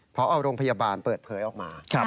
พอโรงพยาบาลเปิดเผยออกมา